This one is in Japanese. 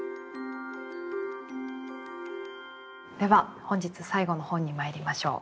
では本日最後の本にまいりましょう。